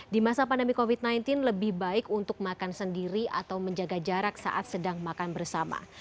di masa pandemi covid sembilan belas lebih baik untuk makan sendiri atau menjaga jarak saat sedang makan bersama